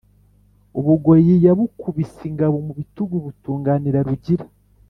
U Bugoyi yabukubise ingabo mu bitugu butunganira Rugira